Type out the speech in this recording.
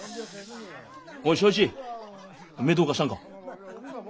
おい省一目ぇどうかしたんか？